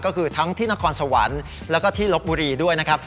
ก็คือทั้งที่นครสวรรค์แล้วก็ที่ลบบุรีด้วยนะครับ